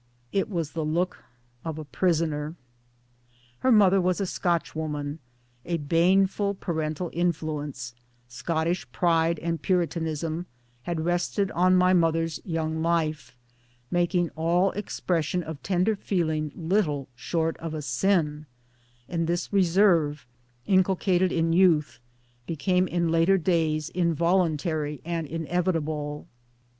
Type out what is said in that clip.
It was the look of a prisoner. Her mother was a Scotchwoman. A baneful parental influence Scottish pride and puri tanism had rested on my mother's young life, making all expression of tender feeling little short of a sin ; and this reserve, inculcated in youth, became in later days involuntary and inevitable.